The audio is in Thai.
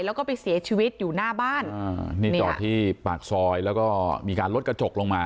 แล้วก็ไปเสียชีวิตอยู่หน้าบ้านอ่านี่จอดที่ปากซอยแล้วก็มีการลดกระจกลงมา